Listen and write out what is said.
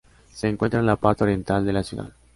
Se encuentra en la parte oriental de la ciudad.